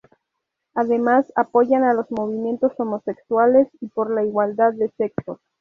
Además apoyan a los movimientos homosexuales y por la igualdad de sexos.